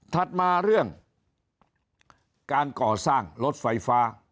ถัดมาเรื่องการก่อสร้างรถไฟฟ้า